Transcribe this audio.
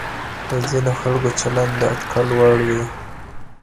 د ځینو خلکو چلند د اټکل وړ وي.